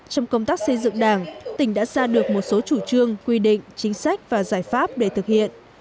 trong công tác xây dựng đảng tỉnh đã ra được một số chủ trương quy định chính sách và giải pháp để thực hiện